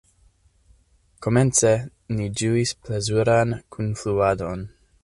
Komence ni ĝuis plezuran kunfluadon.